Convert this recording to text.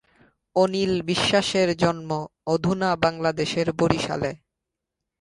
অনিল বিশ্বাসের জন্ম অধুনা বাংলাদেশের বরিশালে।